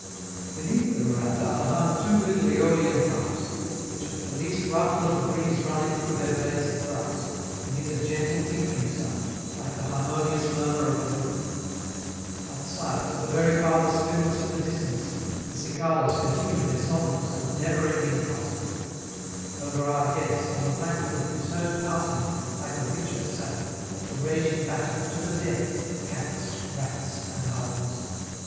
Beneath the veranda are hung two little AEolian harps, which, at the least ruffle of the breeze running through their blades of grass, emit a gentle tinkling sound, like the harmonious murmur of a brook; outside, to the very farthest limits of the distance, the cicalas continue their sonorous and never ending concert; over our heads, on the black roof, is heard passing, like a witch's sabbath, the raging battle, to the death, of cats, rats, and owls.